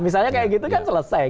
misalnya kayak gitu kan selesai